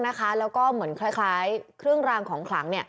แล้วกระลักพอเหมือนพระเครื่องราวของฝรั่ง